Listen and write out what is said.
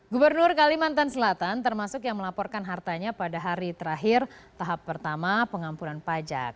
gubernur kalimantan selatan termasuk yang melaporkan hartanya pada hari terakhir tahap pertama pengampunan pajak